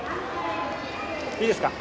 いいですか？